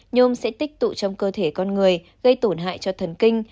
nhôm sẽ tích tụ trong cơ thể con người gây tổn hại cho thần kinh